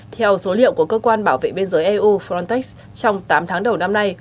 theo số liệu của cơ quan bảo vệ biên giới eu frontex trong tám tháng đầu năm nay